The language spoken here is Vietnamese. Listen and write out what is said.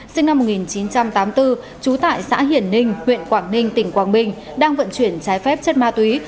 sinh năm một nghìn chín trăm tám mươi bốn trú tại xã hiển ninh huyện quảng ninh tỉnh quảng bình đang vận chuyển trái phép chất ma túy